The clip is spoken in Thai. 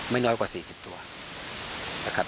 ไม่น้อยกว่า๔๐ตัว